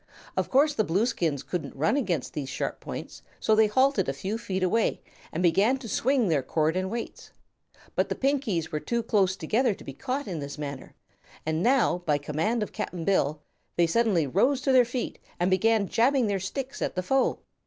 Of course the Blueskins couldn't run against these sharp points, so they halted a few feet away and began to swing their cord and weights. But the Pinkies were too close together to be caught in this manner, and now by command of Cap'n Bill they suddenly rose to their feet and began jabbing their sticks at the foe.